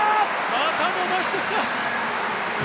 また伸ばしてきた！